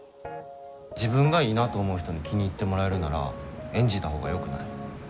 自分がいいなと思う人に気に入ってもらえるなら演じたほうがよくない？